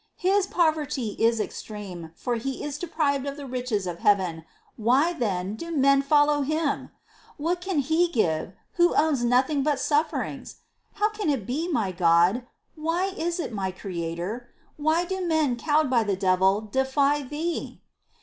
His poverty is extreme, for he is deprived of the riches of heaven ; why, then, do men follow him ? What can he give, who owns nothing but sufferings ? How can it be, my God ? Why is it, my Creator ? Why do men cowed by the devil defy Thee